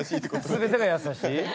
全てが優しい。